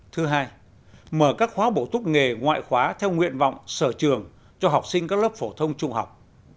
thứ hai mở các khóa bổ túc nghề ngoại khóa theo nguyện vọng sở trường cho học sinh các lớp phổ thông trung học